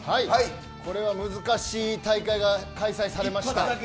これは難しい大会が開催されました。